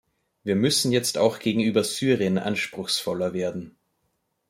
Wir müssen jetzt auch gegenüber Syrien anspruchsvoller werden.